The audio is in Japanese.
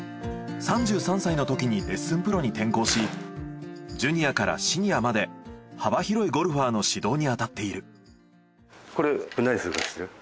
３３歳のときにレッスンプロに転向しジュニアからシニアまで幅広いゴルファーの指導に当たっている。